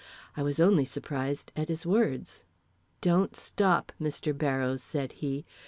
I was only surprised at a his words: "Don't stop, Mr. Barrows," said he.